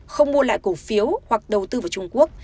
không mua lại cổ phiếu hoặc đầu tư vào trung quốc